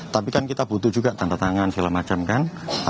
tapi kan kita butuh juga tanda tangan segala macam kan